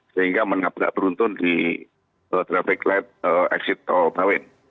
sehingga menabrak beruntun di trafik light eksik tolbawen